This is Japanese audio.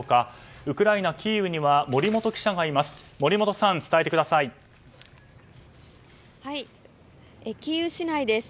ウクライナ・キーウには森元記者がいます。